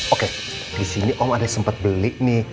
oke disini om ada sempat beli nih